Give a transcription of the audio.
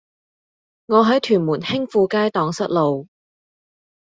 我喺屯門興富街盪失路